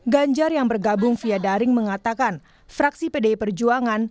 ganjar yang bergabung via daring mengatakan fraksi pdi perjuangan